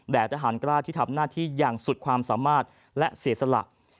ทหารกล้าที่ทำหน้าที่อย่างสุดความสามารถและเสียสละ